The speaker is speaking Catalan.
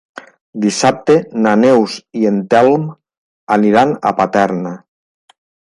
Dissabte na Neus i en Telm aniran a Paterna.